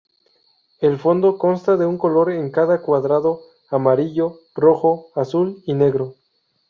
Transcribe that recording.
El fondo consta de un color en cada cuadrado: amarillo, rojo azul y negro.